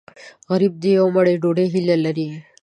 غریب د یوې مړۍ ډوډۍ هیله لري